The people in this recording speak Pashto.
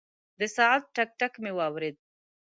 د ساعت ټک، ټک مې واورېد.